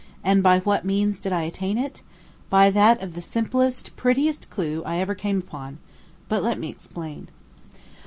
And by what means did I attain it? By that of the simplest, prettiest clue I ever came upon. But let me explain.